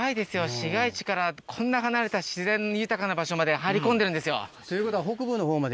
市街地からこんな離れた自然豊かな場所まで入り込んでるんですよ。ということは。